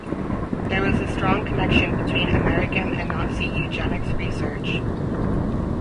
There was a strong connection between American and Nazi Eugenics research.